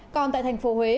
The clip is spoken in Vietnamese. còn tại thành phố huế